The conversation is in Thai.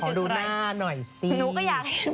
พอดูหน้าหน่อยสิ